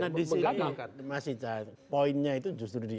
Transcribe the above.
nah disini masih poinnya itu justru di anda ini